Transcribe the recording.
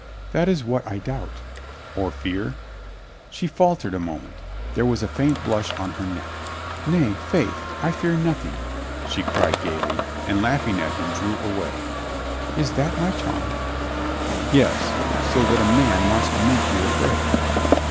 "That is what I doubt." "Or fear?" She faltered a moment. There was a faint blush on her neck. But, "Nay, faith, I fear nothing," she cried gaily, and laughing ,at him, drew away. "Is that my charm?" "Yes. So that a man wants to make you afraid?"